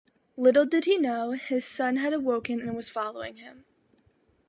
Little did he know, his son had awoken and was following him.